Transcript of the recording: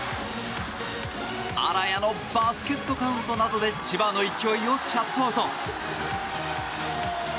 荒谷のバスケットカウントなどで千葉の勢いをシャットアウト。